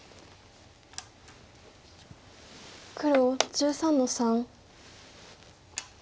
黒１３の三。